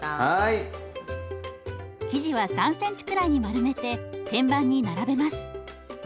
生地は３ｃｍくらいに丸めて天板に並べます。